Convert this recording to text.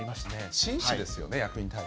真摯ですよね。